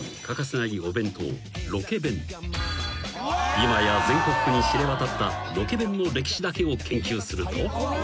［今や全国区に知れ渡ったロケ弁の歴史だけを研究すると］